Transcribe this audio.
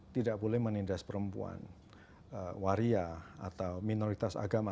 tidak boleh menindas perempuan waria atau minoritas agama